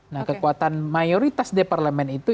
nah kekuatan mayoritas di parlemen itu